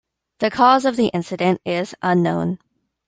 The cause of the incident is unknown.